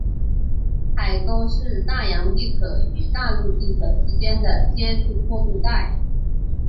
海沟是大洋地壳与大陆地壳之间的接触过渡带。